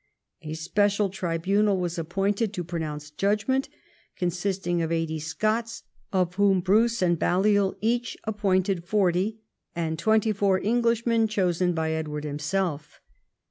A special tribunal was appointed to pronounce judgment, consist ing of eighty Scots, of whom Bruce and Balliol each appointed forty, and twenty four Englishmen chosen by Edward himself.